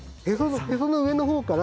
へその上の方から。